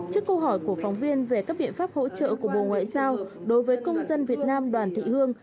trước câu hỏi của phóng viên về các biện pháp hỗ trợ của bộ ngoại giao đối với công dân việt nam đoàn thị hương